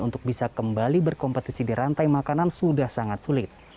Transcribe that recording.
untuk bisa kembali berkompetisi di rantai makanan sudah sangat sulit